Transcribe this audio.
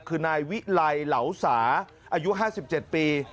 คือนายวิไลเหลาสาอายุ๕๗ปี